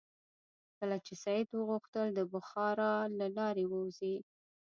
کله چې سید وغوښتل د بخارا له لارې ووځي.